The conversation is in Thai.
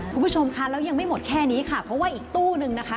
คุณผู้ชมค่ะแล้วยังไม่หมดแค่นี้ค่ะเพราะว่าอีกตู้นึงนะคะ